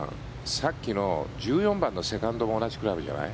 さっきの１４番のセカンドも同じクラブじゃない？